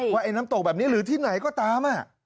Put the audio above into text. ว่าไอ้น้ำตกแบบนี้หรือที่ไหนก็ตาม